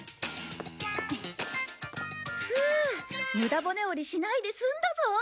ふう無駄骨折りしないで済んだぞ。